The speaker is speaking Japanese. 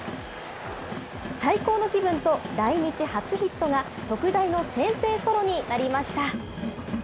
最高の気分と、来日初ヒットが特大の先制ソロになりました。